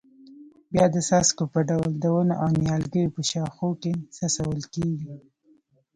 بیا د څاڅکو په ډول د ونو او نیالګیو په شاوخوا کې څڅول کېږي.